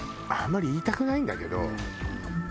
あんまり言いたくないんだけど。